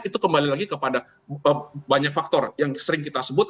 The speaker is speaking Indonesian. itu kembali lagi kepada banyak faktor yang sering kita sebut